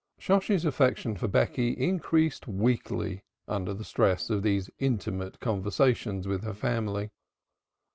Shosshi's affection for Becky increased weekly under the stress of these intimate conversations with her family.